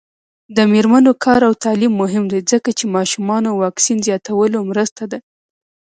د میرمنو کار او تعلیم مهم دی ځکه چې ماشومانو واکسین زیاتولو مرسته ده.